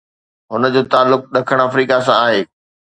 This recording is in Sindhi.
هن جو تعلق ڏکڻ آفريڪا سان آهي.